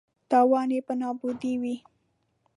تاوان یې په نابودۍ وي.